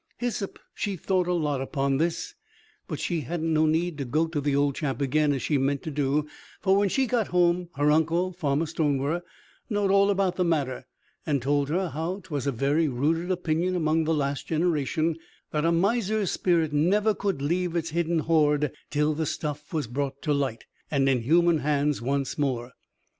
Hyssop, she thought a lot upon this; but she hadn't no need to go to the old chap again, as she meant to do, for when she got home, her uncle Farmer Stonewer knowed all about the matter, and told her how 'twas a very rooted opinion among the last generation that a miser's spirit never could leave its hidden hoard till the stuff was brought to light, and in human hands once more.